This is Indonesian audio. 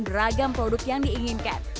beragam produk yang diinginkan